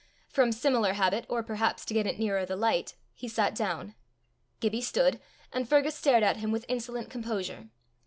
From similar habit, or perhaps to get it nearer the light, he sat down. Gibbie stood, and Fergus stared at him with insolent composure.